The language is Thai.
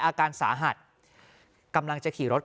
อาการสาหัสกำลังจะขี่รถ